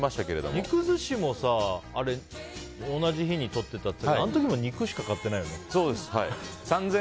肉寿司も同じ日に撮ってたってあの時も肉しか買ってないよね。